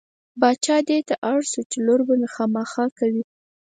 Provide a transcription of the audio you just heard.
باچا دې ته اړ شو چې لور به مې خامخا کوې.